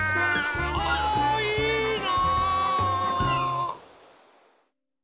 あいいな。